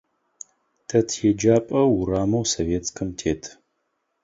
Тэ тиеджапӏэ урамэу Советскэм тет.